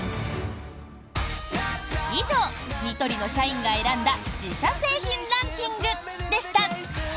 以上、ニトリの社員が選んだ自社製品ランキングでした。